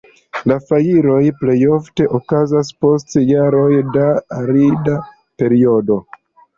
La fajroj plejofte okazas post jaroj da arida periodo.